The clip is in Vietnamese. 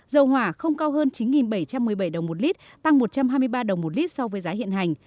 dầu hỏa không cao hơn chín bảy trăm một mươi bảy đồng một lít tăng một trăm hai mươi ba đồng một lít so với giá hiện hành